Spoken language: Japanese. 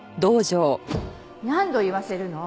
何度言わせるの？